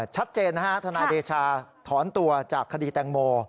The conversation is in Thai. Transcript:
ชัดเจนนะฮะทนายเดชาถอนตัวจากคดีแตงโม